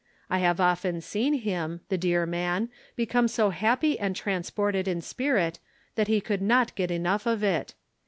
I have often seen him, the dear man, become so happy and transported in spirit that he could not get enough of it.